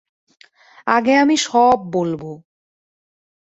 আগে আমি সব বলবো।